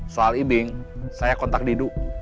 soal ibing saya kontak didu